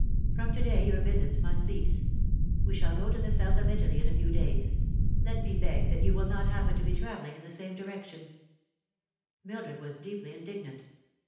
From to day your visits must cease. We shall go to the south of Italy in a few days. Let me beg that you will not happen to be travelling in the same direction." The Time has Come. 219 Mildred was deeply indignant.